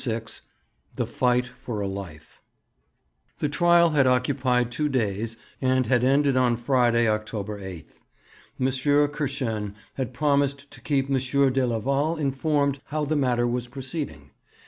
VI THE FIGHT FOR A LIFE The trial had occupied two days, and had ended on Friday, October 8. M. Kirschen had promised to keep M. de Leval informed how the matter was proceeding.